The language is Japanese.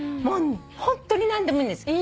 ホントに何でもいいんです。